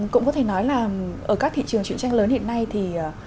cũng có thể nói là ở các thị trường chuyện tranh lớn hiện nay thì